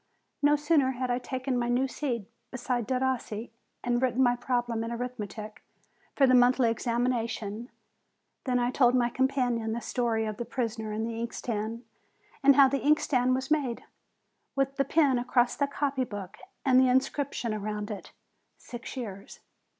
No sooner had I taken my new seat, beside Derossi, and written my problem in arithmetic for the monthly examination, than I told my companion the story of the prisoner and the inkstand, and how the inkstand was made, with the pen across the copy book, and the inscription around it, "Six years!"